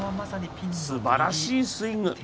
すばらしいスイング。